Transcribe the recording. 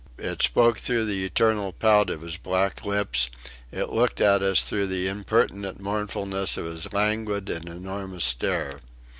It spoke through the eternal pout of his black lips; it looked at us through the impertinent mournfulness of his languid and enormous stare.